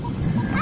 あ！